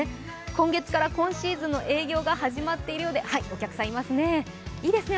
今月から今シーズンの営業が始まっているようでお客さん、いますね。